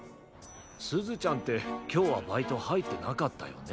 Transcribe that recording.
すずちゃんってきょうはバイトはいってなかったよね？